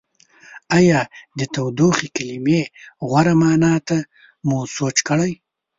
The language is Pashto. ایا د تودوخې کلمې غوره معنا ته مو سوچ کړی؟